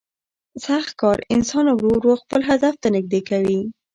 سخت کار انسان ورو ورو خپل هدف ته نږدې کوي